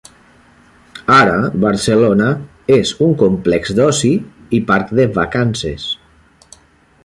Ara Barcelona és un complex d'oci i parc de vacances.